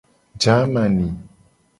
Jamani.